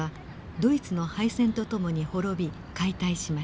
ドイツの敗戦とともに滅び解体しました。